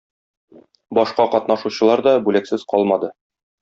Башка катнашучылар да бүләксез калмады.